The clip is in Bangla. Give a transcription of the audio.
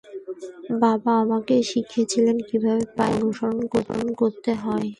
বাবা আমাকে শিখিয়েছিল কীভাবে পায়ের ছাপ অনুসরণ করতে হয়।